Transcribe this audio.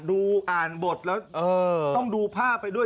ดูอ่านบทแล้วต้องดูภาพไปด้วย